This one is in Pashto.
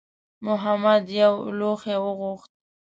محمد یو لوښی وغوښت.